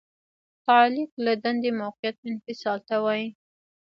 تعلیق له دندې موقت انفصال ته وایي.